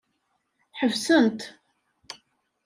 Ḥebsen-tt.